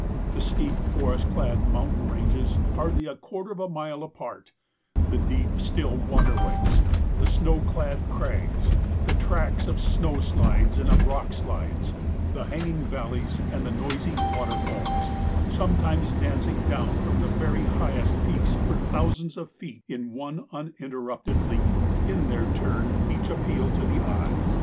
The steep, forest clad mountain ranges, hardly a quarter of a mile apart, the deep, still waterways, the snow clad crags, the tracks of snow slides and of rock slides, the hanging val leys, and the noisy waterfalls, sometimes dancing down from the very highest peaks for thousands of feet in one uninterrupted leap, in their turn each appeal to the eye.